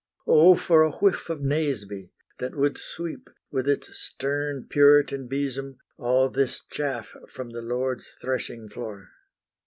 O for a whiff of Naseby, that would sweep, With its stern Puritan besom, all this chaff From the Lord's threshing floor!